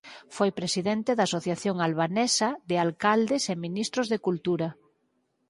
Foi presidente da Asociación Albanesa de Alcaldes e Ministro de Cultura.